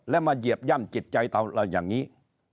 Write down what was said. และมาเหยียบย่ำจิตใจเราอย่างนี้